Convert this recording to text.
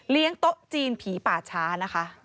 เลี้ยงโต๊ะจีนผีป่าช้านะคะ